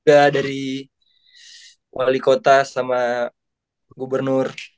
ya dari wali kota sama gubernur